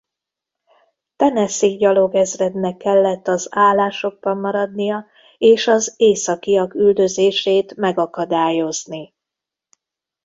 Tennessee gyalogezrednek kellett az állásokban maradnia és az északiak üldözését megakadályozni.